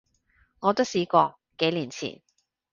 我都試過，幾年前